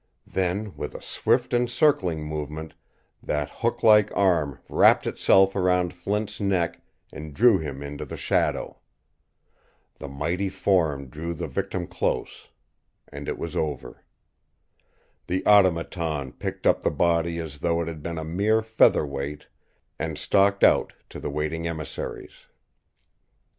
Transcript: Then, with a swift encircling movement, that hooklike arm wrapped itself around Flint's neck and drew him into the shadow. The mighty form drew the victim close and it was over. The Automaton picked up the body as though it had been a mere feather weight and stalked out to the waiting emissaries.